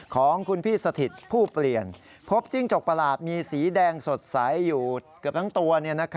ของคุณพี่สถิตผู้เปลี่ยนพบจิ้งจกประหลาดมีสีแดงสดใสอยู่เกือบทั้งตัว